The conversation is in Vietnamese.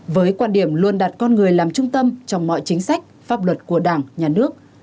với quan điểm luôn đặt con người làm trung tâm trong mọi chính sách pháp luật của đảng nhà nước